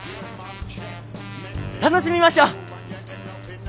楽しみましょう！